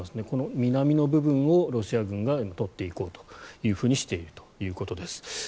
この南の部分をロシア軍が取っていこうとしているということです。